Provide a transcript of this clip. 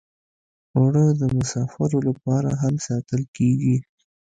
اوړه د مسافرو لپاره هم ساتل کېږي